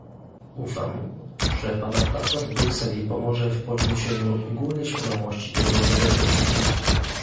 Ufam, że pana praca w Brukseli pomoże w podniesieniu ogólnej świadomości tego zagadnienia